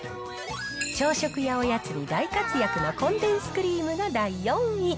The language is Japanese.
朝食やおやつに大活躍のコンデンスクリームが第４位。